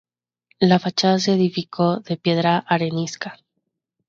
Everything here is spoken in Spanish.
La fachada se edificó de piedra arenisca.